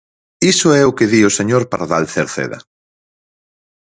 Iso é o que di o señor Pardal Cerceda.